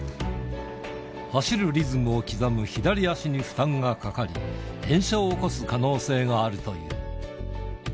走るリズムを刻む左足に負担がかかり、炎症を起こす可能性があるという。